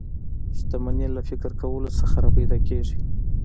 شتمني له فکر کولو څخه را پیدا کېږي